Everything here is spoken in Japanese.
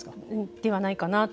ではないかなと。